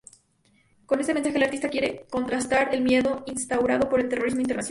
Con este mensaje el artista quiere contrastar el miedo instaurado por el terrorismo internacional.